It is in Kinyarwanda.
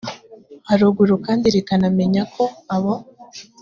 haruguru kandi rikanamenya ko abo